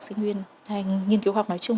sinh viên hay nghiên cứu khoa học nói chung